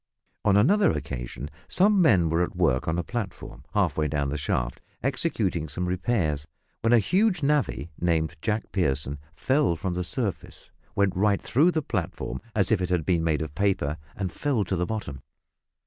On another occasion some men were at work on a platform, half way down the shaft, executing some repairs, when a huge navvy, named Jack Pierson, fell from the surface, went right through the platform, as if it had been made of paper, and fell to the bottom.